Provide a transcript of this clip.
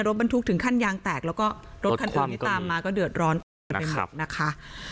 รถบรรทุกถึงขั้นยางแตกแล้วก็รถคันอื่นที่ตามมาก็เดือดร้อนเต็มกันไปหมดนะคะ